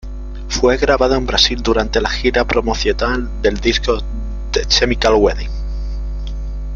Fue grabado en Brasil durante la gira promocional del disco The Chemical Wedding.